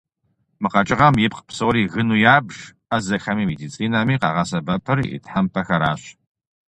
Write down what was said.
Мы къэкӏыгъэм ипкъ псори гыну ябж, ӏэзэхэми медицинэми къагъэсэбэпыр и тхьэмпэхэращ.